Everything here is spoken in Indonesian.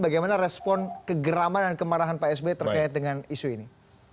bagaimana respon kegeraman dan kemarahan pak sby terkait dengan isu ini